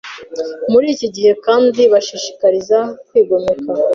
muri iki gihe kandi bashishikariza kwigomeka.